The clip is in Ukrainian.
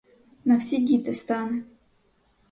На всі діти стане!